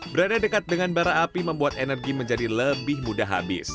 berada dekat dengan bara api membuat energi menjadi lebih mudah habis